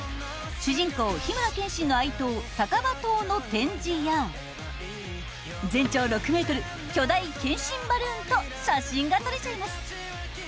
主人公・緋村剣心の愛刀逆刃刀の展示や全長６ｍ、巨大剣心バルーンと写真が撮れちゃいます！